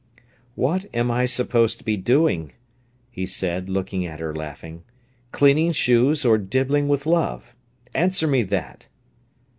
"What am I supposed to be doing," he said, looking at her laughing; "cleaning shoes or dibbling with love? Answer me that!"